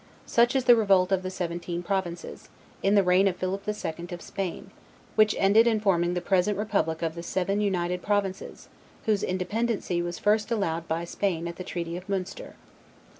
Such is the revolt of the Seventeen Provinces, in the reign of Philip the Second of Spain, which ended in forming the present republic of the Seven United Provinces, whose independency was first allowed by Spain at the treaty of Munster.